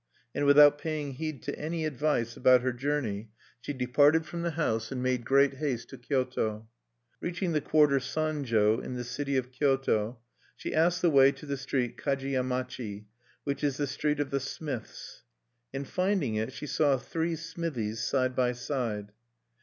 And without paying heed to any advice about her journey, she departed from the house, and made great haste to Kyoto. Reaching the quarter Sanjo in the city of Kyoto, she asked the way to the street Kajiyamachi, which is the Street of the Smiths. And finding it, she saw three smithies side by side.